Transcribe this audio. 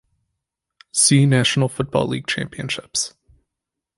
See National Football League championships.